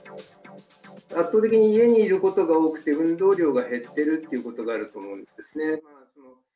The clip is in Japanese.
圧倒的に家にいることが多くて、運動量が減ってるということがあると思うんですね。